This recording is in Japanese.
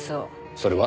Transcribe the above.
それは？